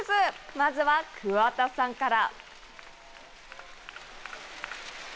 まずは桑田さんから。